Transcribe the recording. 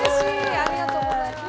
ありがとうございます。